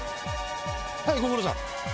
はいご苦労さん。